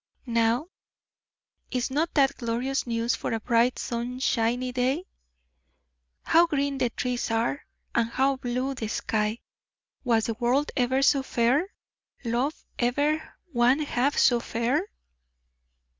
Now, is not that glorious news for a bright sunshiny day? How green the trees are, and how blue the sky! Was the world ever so fair, love ever one half so fair?"